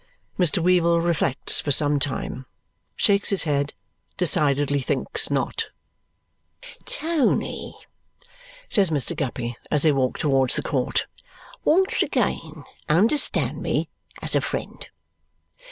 Mr. Weevle reflects for some time. Shakes his head. Decidedly thinks not. "Tony," says Mr. Guppy as they walk towards the court, "once again understand me, as a friend.